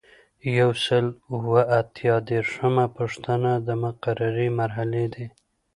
یو سل او اته دیرشمه پوښتنه د مقررې مرحلې دي.